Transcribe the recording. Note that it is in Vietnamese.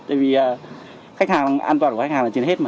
tại vì khách hàng an toàn của khách hàng là trên hết